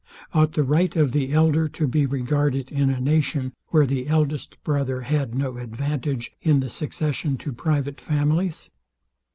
Ought the right of the elder to be regarded in a nation, where the eldest brother had no advantage in the succession to private families?